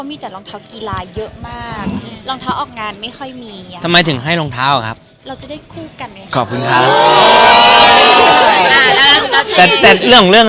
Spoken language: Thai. ไม่กลัวว่าเดี๋ยวเมืองทองค์จะเรียกเก็บตัวแล้วเนี่ย